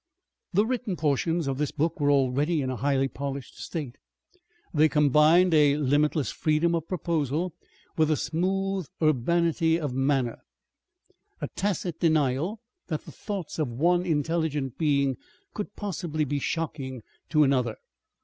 The written portions of this book were already in a highly polished state. They combined a limitless freedom of proposal with a smooth urbanity of manner, a tacit denial that the thoughts of one intelligent being could possibly be shocking to another.